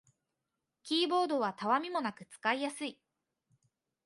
キーボードはたわみもなく使いやすい